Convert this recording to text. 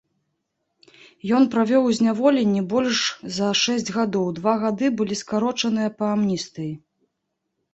Ён правёў у зняволенні больш за шэсць гадоў, два гады былі скарочаныя па амністыі.